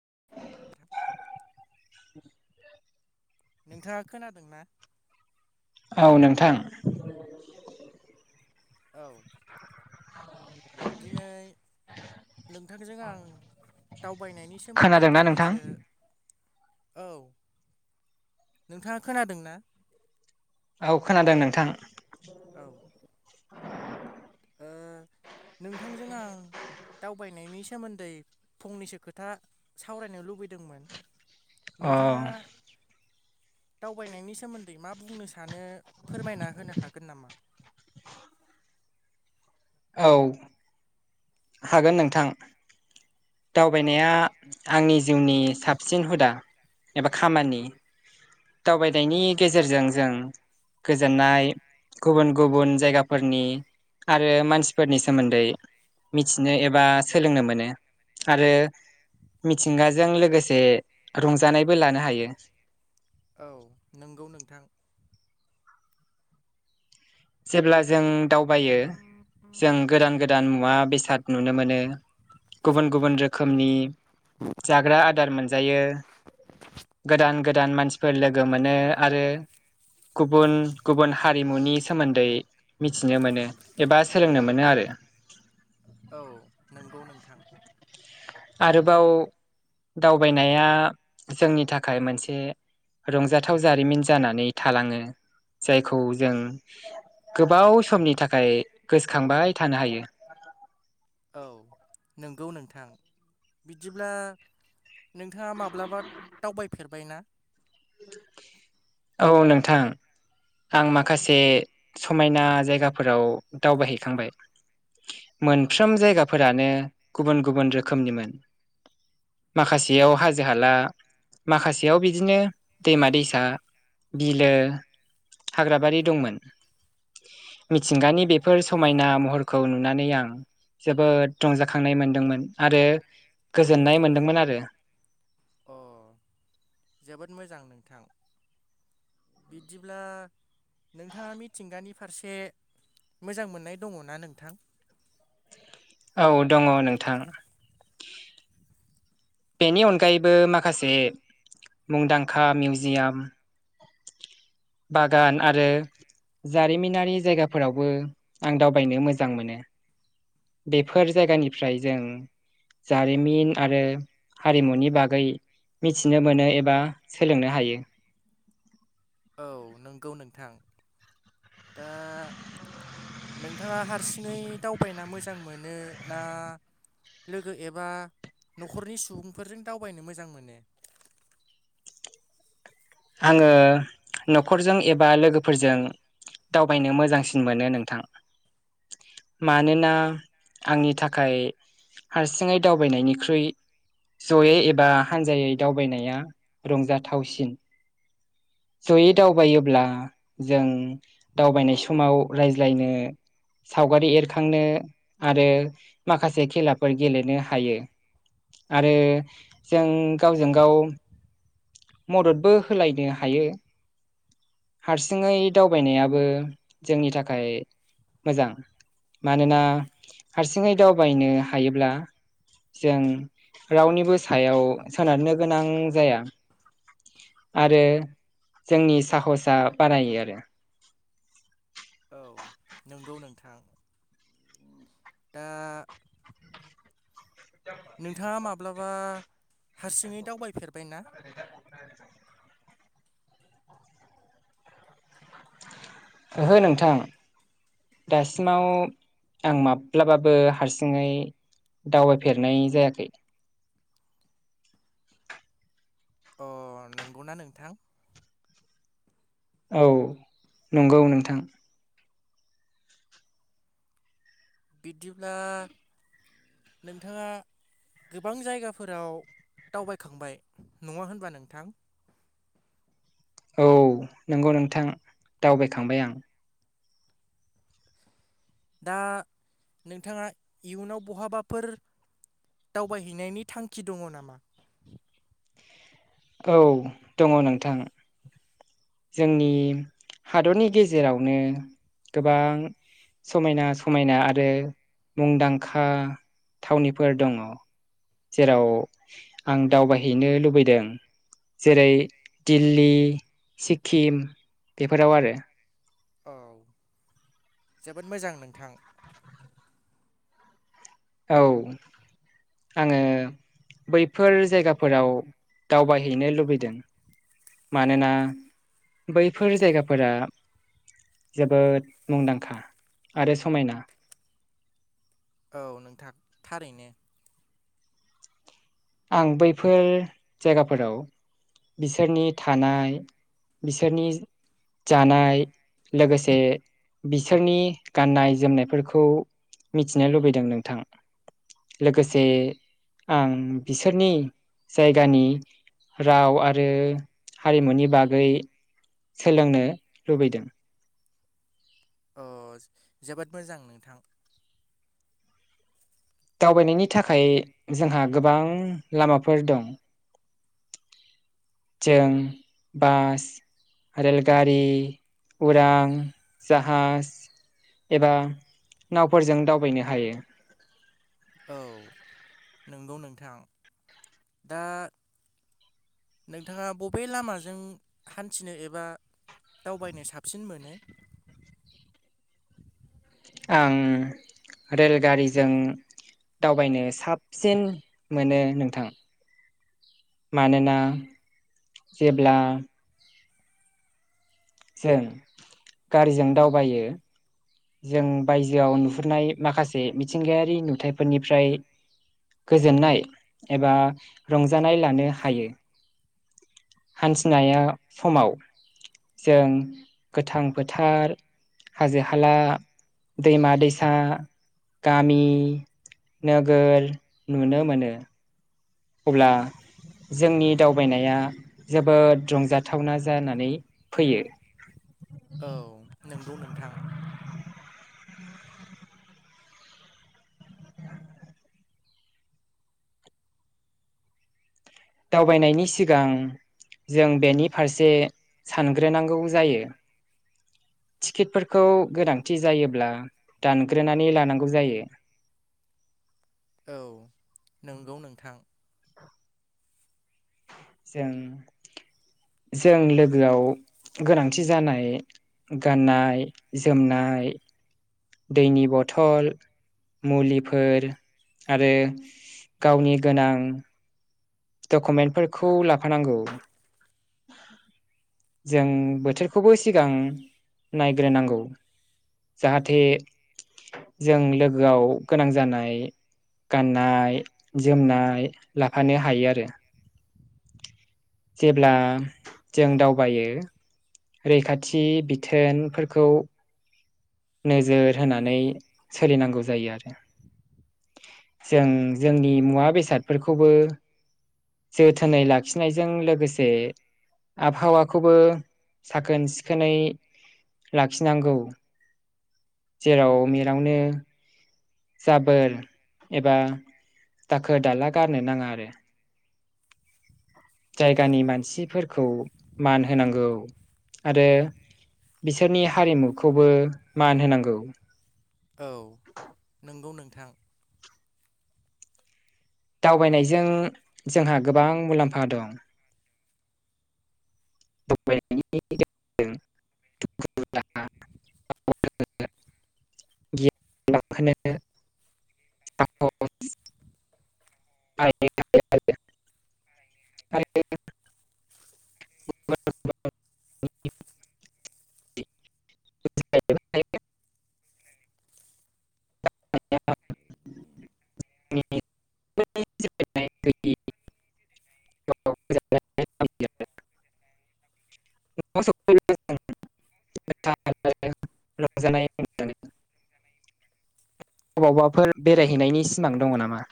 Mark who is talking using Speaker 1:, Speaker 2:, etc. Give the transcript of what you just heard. Speaker 1: [unintelligible]
Speaker 2: [unintelligible]
Speaker 1: [unintelligible]
Speaker 2: नोंथाङा खोनादों ना?
Speaker 1: औ नोंथां।
Speaker 2: औ। दिनै नोंथांजों आं दावबायनायनि सोमोन्दै
Speaker 1: खोनादोंना नोंथां
Speaker 2: फंनैसो औ नोंथाङा खोनादों ना?
Speaker 1: औ खोनादों नोंथां।
Speaker 2: औ। ओ नोंथांजों आं दावबायनायनि सोमोन्दै फंनैसो खोथा सावरायनो लुबैदोंमोन।
Speaker 1: अ
Speaker 2: नोंथाङा दावबायनायनि सोमोन्दै मा बुंनो सानो फोरमायना होनो हागोन नामा?
Speaker 1: औ। हागोन नोंथां।
Speaker 2: औ
Speaker 1: दावबायनाया आंनि जिउनि साबसिन हुदा एबा खामानि। दावबायनायनि गेजेरजों जों गोजोननाय गुबुन-गुबुन जायगाफोरनि आरो मानसिफोरनि सोमोन्दै मिथिनो एबा सोलोंनो मोनो। आरो मिथिंगाजों लोगोसे रंजानायबो लानो हायो।
Speaker 2: औ नोंगौ नोंथां।
Speaker 1: जेब्ला जों दावबायो जों गोदान गोद दान मुवा बेसाद नुनो मोनो गुबुन गुबुन रोखोमनि जाग्रा आदार मोनजायो। गोदान गोदान मानसिफोर लोगो मोनो आरो गुबुन गुबुन हारिमुनि सो सोमोन्दै मिथिनो मोनो एबा सोलोंनो मोनो आरो।
Speaker 2: औ नंगौ नोंथां।
Speaker 1: आरोबाव दावबायनाया जोंनि थाखाय मोनसे रंजाथाव जारिमिन जानानै थालाङो जायखौ जों। गोबाव समनि थाखाय गोसोखांबाय थानो हायो।
Speaker 2: औ नंगौ नोंथां बिदिब्ला। नोंथाङा माब्लाबा दावबायफेरबाय ना?
Speaker 1: औ नोंथां। आं माखासे समायना जायगाफोराव दावबायहैखांबाय।
Speaker 2: [unintelligible]
Speaker 1: मोनफ्रोम जायगाफोरानो गुबुन गुबुन रोखोमनिमोन। माखासेयाव हाजो हाला माखासेयाव बिदिनो। दैमा दैसा बिलो हाग्राबारि दंमोन। मिथिंगानि बेफोर समायना महरखौ नुनानै आं। जोबोद रंजाखांनाय मोनदोंमोन आरो गोजोननाय मोन्दोंमोन आरो।
Speaker 2: अ जोबोद मोजां नोंथां। बिदिब्ला नोंथाङा मिथिंगानि फारसे। मोजां मोननाय दङना नोंथां।
Speaker 1: औ दङ नोंथां।
Speaker 2: [unintelligible]
Speaker 1: बेनि अनगायैबो माखासे मुंदांखा मिउजियाम।
Speaker 2: [unintelligible]
Speaker 1: बागान आरो जारिमिनारि जायगाफोरावबो आं दावबायनो मोजां मोनो। बेफोर जायगानिफ्राय जों जारिमिन आरो। हारिमुनि बागै मिथिनो मोनो एबा सोलोंनो हायो।
Speaker 2: औ नंगौ नोंथां दा। नोंथाङा हारसिङै दावबायना मोजां मोनो ना। लोगो एबा न'खरनि सुबुंफोरजों दावबायनो मोजां मोनो।
Speaker 1: आङो न'खरजों एबा लोगोफोर जों। दावबायनो मोजांसिन मोनो नोंथां। मानोना आंनि थाखाय। हारसिङै दावबायनायनिख्रुइ। जयै एबा हानजायै दावबायनाया रंजाथावसिन। जयै दावबायोब्ला जों दावबायनाय समाव रायज्लायनो। सावगारि एरखांनो आरो माखासे खेलाफोर गेलेनो हायो। आरो जों गावजों गाव। मददबो होलायनो हायो। हारसिङै दावबायनायाबो जोंनि थाखाय मोजां। मानोना हारसिङै दावबायनो हायोब्ला। जों रावनिबो सायाव सोनारनो गोनां जाया। आरो जोंनि साहसा बारायो आरो।
Speaker 2: औ नंगौ नोंथां। दा नोंथाङा माब्लाबा हारसिङै दावबायफेरबाय ना?
Speaker 1: [inaudible] ओहो नोंथां। दासिमाव आं माब्लाबाबो हारसिङै दावबायफेरनाय जायाखै।
Speaker 2: अ नंगौना नोंथां?
Speaker 1: औ नंगौ नोंथां।
Speaker 2: बिदिब्ला नोंथाङा गोबां जायगाफोराव दावबायखांबाय नङा होनबा नोंथां?
Speaker 1: औ नंगौ नोंथां दावबायखांबाय आं।
Speaker 2: दा नोंथाङा इयुनाव बहाबाफोर दावबायहैनायनि थांखि दङ नामा?
Speaker 1: औ दङ नोंथां। जोंनि हादरनि गेजेरावनो गोबां समायना समायना आरो मुंदांखा थावनिफोर दङ। जेराव आं दावबायहैनो लुबैदों जेरै दिल्ली, सिक्किम बेफोराव आरो।
Speaker 2: औ जोबोद मोजां नोंथां।
Speaker 1: औ। आङो बैफोर जायगाफोराव दावबायहैनो लुबै दों मानोना बैफोर जायगाफोरा जोबोद मुंदांखा आरो समायना।
Speaker 2: औ नोंथां थारैनो।
Speaker 1: आं बैफोर जायगाफोराव बिसोरनि थानाय बिसोरनि जानाय लोगोसे बिसोरनि गाननाय जोमनायफोरखौ मिथिनो लुबैदों नोंथां लोगोसे आं बिसोरनि जायगानि राव आरो हारिमुनि बागै सोलोंनो लुबैदों।
Speaker 2: अ जोबोद मोजां नोंथां‌।
Speaker 1: दावबायनायनि थाखाय जोंहा गोबां लामाफोर दं। जों बास रेलगारि, उरां, जाहाज एबा नावफोरजों दावबायनो हायो।
Speaker 2: औ नंगौ नोंथां दा नोंथाङा बबे लामाजों हान्थिनो एबा दावबायनो साबसिन मोनो?
Speaker 1: आं रेलगारिजों दावबायनो साबसिन मोनो नोंथां। मानोना जेब्ला जों गारिजों दावबायो जों बायजोआव नुहुरनाय माखासे मिथिंगायारि नुथाइफोरनिफ्राय गोजोननाय एबा रंजानाय लानो हायो। हान्थिनाया समाव जों गोथां फोथार हाजो हाला दैमा दैसा गामि नोगोर नुनो मोनो। अब्ला जोंनि दावबायनाया जोबोद रंजाथावना जानानै फैयो।
Speaker 2: औ नंगौ नोंथां।
Speaker 1: दावबायनायनि सिगां जों बेनि फारसे सानग्रोनांगौ जायो। टिकेटफोरखौ गोनांथि जायोब्ला दानग्रोनानै लानांगौ जायो।
Speaker 2: औ नंगौ नोंथां।
Speaker 1: जों जों लोगोआव गोनां थि जानाय गाननाय जोमनाय दैनि बथल मुलिफोर आरो गावनि गोनां डकुमेन्टफोरखौ लाफानांगौ। जों बोथोरखौबो सिगां नायग्रोनांगौ। जाहाथे जों लोगोआव गोनां जानाय गाननाय जोमनाय लाफानो हायो आरो
Speaker 2: [inaudible]
Speaker 1: जेब्ला जों दावबायो रैखाथि बिथोनफोरखौ नोजोर होनानै सोलिनांगौ जायो आरो। जों जोंनि मुवा बेसादफोरखौबो जोथोनै लाखिनायजों लोगोसे आबहावाखौबो साखोन सिखोनै लाखिनांगौ। जेराव मेरावनो जाबोर एबा दाखोर दाला गारनो नाङा आरो। जायगानि मानसिफोरखौ मान होनांगौ आरो बिसोरनि हारिमुखौबो मान होनांगौ।
Speaker 2: औ नोंगौ नोंथां।
Speaker 1: दावबायनायजों जोंहा गोबां मुलाम्फा दं। दावबायनायनि जोंहा
Speaker 2: [inaudible]
Speaker 1: [unintelligible] [unintelligible] [inaudible] [unintelligible] [unintelligible] [unintelligible] [unintelligible]
Speaker 2: औ
Speaker 1: बेरायहैनायनि सिमां दङ नामा?